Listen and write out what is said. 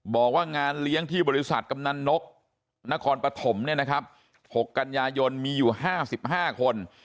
บอกว่างานเลี้ยงที่บริษัทกำนันนกนครปฐม๖กันยายนมีอยู่๕๕คน